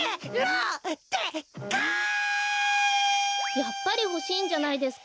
やっぱりほしいんじゃないですか。